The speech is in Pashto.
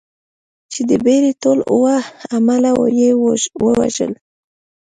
چې د بېړۍ ټول اووه عمله یې ووژل.